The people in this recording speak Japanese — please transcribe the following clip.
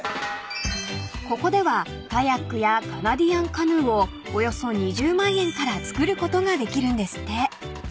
［ここではカヤックやカナディアンカヌーをおよそ２０万円から作ることができるんですって］